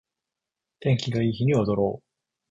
天気がいい日に踊ろう